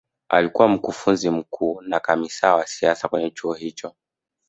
alikuwa mkufunzi mkuu na kamisaa wa siasa kwenye chuo hicho